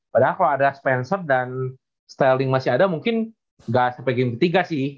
padahal kalau ada spencer dan sterling masih ada mungkin gak sampai game ketiga sih